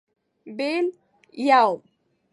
بېل. √ یوم